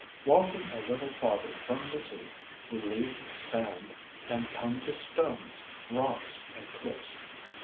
Walking a little farther from the sea, we leave the sand and come to stones, rocks and cliffs.